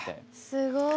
すごい！